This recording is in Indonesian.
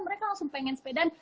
mereka langsung pengen sepedaan